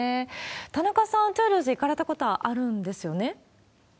田中さん、トゥールーズ行かれたことはあるんですよね？